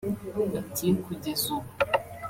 Ati “Kugeza ubu